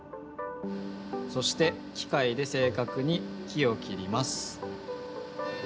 そしてきかいで正かくに木を切ります。